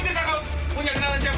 siap siap siap